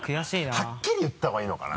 はっきり言った方がいいのかな？